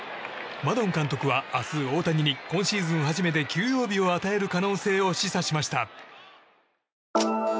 マドン監督は明日、大谷に今シーズン初めて休養日を与える可能性を示唆しました。